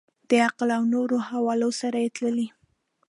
د عقل او نورو حوالو سره یې تللي.